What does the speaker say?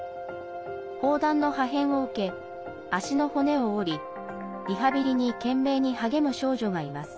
砲弾の破片を受け、足の骨を折りリハビリに懸命に励む少女がいます。